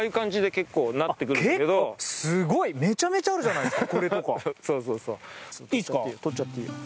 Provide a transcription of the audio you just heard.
めちゃめちゃあるじゃないですか。